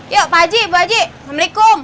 yuk pak haji bu haji assalamualaikum